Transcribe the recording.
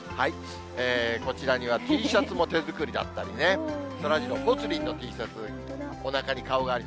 こちらにはＴシャツも手作りだったりね、そらジロー、ぽつリンのＴシャツ、おなかに顔がある。